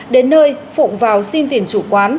đến nơi phụng vào xin tiền